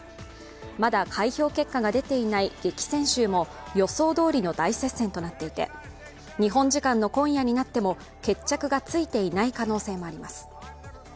まだ開票結果が出ていない激戦州も予想どおりの大接戦となっていて日本時間の今夜になっても決着がついていない可能性もあります。